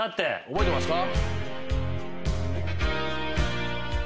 覚えてますか？